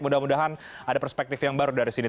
mudah mudahan ada perspektif yang baru dari sini